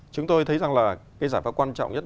chúng tôi thấy rằng là cái giải pháp quan trọng nhất